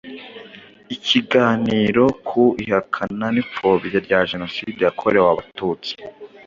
Ikiganiro ku ihakana n’ipfobya rya Jenoside Yakorewe Abatutsi